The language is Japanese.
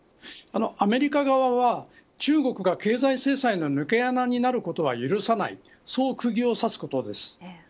アメリカ側は中国が経済制裁の抜け穴になることは許さないそう釘を刺すことです。